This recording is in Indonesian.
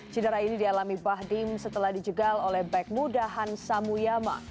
cedera ini dialami bahdim setelah dijegal oleh back muda han samuyama